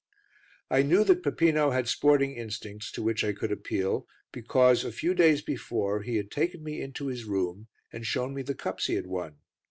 I knew that Peppino had sporting instincts to which I could appeal because, a few days before, he had taken me into his room and shown me the cups he had won.